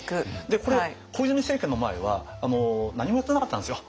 これ小泉政権の前は何もやってなかったんですよ。